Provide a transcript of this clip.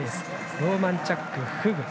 ローマンチャック、フグ。